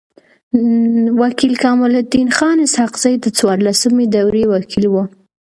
و کيل کمال الدین خان اسحق زی د څوارلسمي دوری وکيل وو.